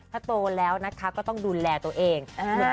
ถ้าโตแล้วนะคะก็ต้องดูแลตัวเอง